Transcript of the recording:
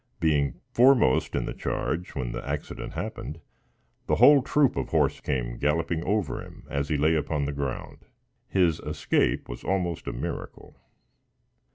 Being foremost in the charge when the accident happened, the whole troop of horse came galloping over him as he lay upon the ground. His escape was almost a miracle.